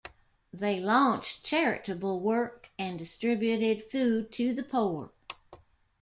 They launched charitable work and distributed food to the poor.